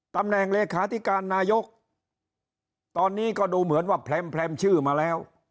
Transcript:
ตำแหน่งเลขาธิการนายกตอนนี้ก็ดูเหมือนว่าแพร่มแพร่มชื่อมาแล้ว